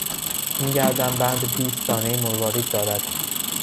این گردنبند بیست دانهی مروارید دارد.